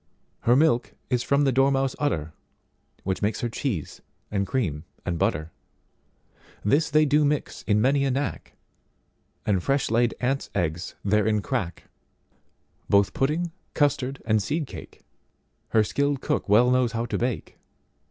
Her milk is from the dormouse udder, Which makes her cheese and cream and butter:This they do mix in many a knack, And fresh laid ants' eggs therein crack:—Both pudding, custard and seed cake, Her skilled cook well knows how to bake.